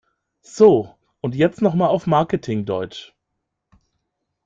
So, und jetzt noch mal auf Marketing-Deutsch!